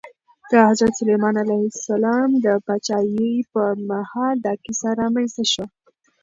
د حضرت سلیمان علیه السلام د پاچاهۍ پر مهال دا کیسه رامنځته شوه.